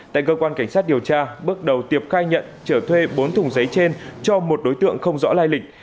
tại cơ quan cảnh sát điều tra bước đầu tiệp khai nhận trở thuê bốn thùng giấy trên cho một đối tượng không rõ lai lịch